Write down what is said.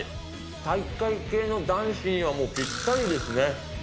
体育会系の男子にはもうぴったりですね。